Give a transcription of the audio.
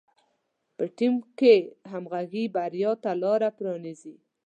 په ټیم کار کې همغږي بریا ته لاره پرانیزي.